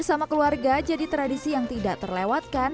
bersama keluarga jadi tradisi yang tidak terlewatkan